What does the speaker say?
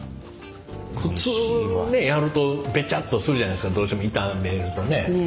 普通ねやるとベチャッとするじゃないですかどうしても炒めるとね。